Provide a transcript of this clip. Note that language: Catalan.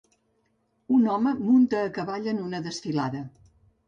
Un home munta a cavall en una desfilada.